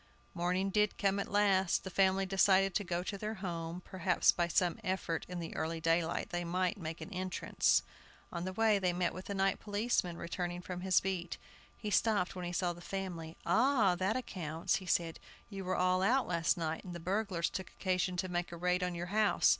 Morning did come at last. The family decided to go to their home; perhaps by some effort in the early daylight they might make an entrance. On the way they met with the night policeman, returning from his beat. He stopped when he saw the family. "Ah! that accounts," he said; "you were all out last night, and the burglars took occasion to make a raid on your house.